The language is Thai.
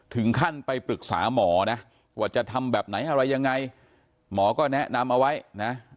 ถึงขั้นไปปรึกษาหมอนะว่าจะทำแบบไหนอะไรยังไงหมอก็แนะนำเอาไว้นะ